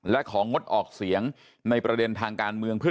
และของงดออกเสียงในประเด็นทางการเมืองเพื่อ